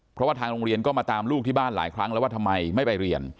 เพราะว่าทางโรงเรียนก็มาตามลูกที่บ้านหลายครั้งแล้วว่าทำไมไม่ไปเรียน